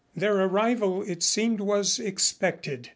Their arrival, it seemed, was expected.